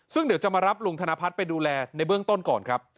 ซึ่งเดี๋ยวจะมารับลุงธนพัฒน์ไปดูแลในเบื้องต้นก่อนครับ